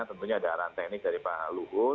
tentunya ada arahan teknik dari pak luhut